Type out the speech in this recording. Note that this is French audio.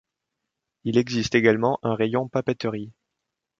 Il existe également un rayon papeterie.